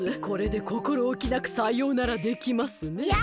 これでこころおきなくさようならできますね。